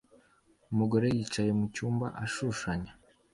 Umugore yicaye mucyumba ashushanya